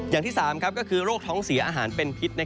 อย่างที่๓ก็คือโรคท้องเสียอาหารเป็นพิษ